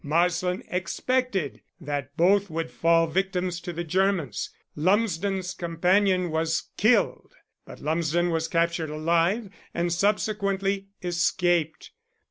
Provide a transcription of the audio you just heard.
Marsland expected that both would fall victims to the Germans. Lumsden's companion was killed, but Lumsden was captured alive and subsequently escaped.